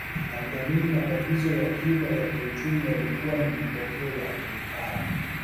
Aliamini matatizo ya Cuba ya kiuchumi yalikuwa ni matokeo ya ubepari